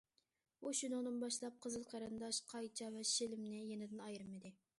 ئۇ شۇنىڭدىن باشلاپ قىزىل قېرىنداش، قايچا ۋە شىلىمنى يېنىدىن ئايرىمىدى.